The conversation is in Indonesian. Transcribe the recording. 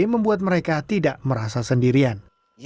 membuat mereka tidak merasa sendirian